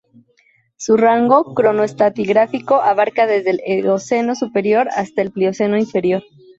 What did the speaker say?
Su rango cronoestratigráfico abarca desde el Eoceno superior hasta el Plioceno inferior.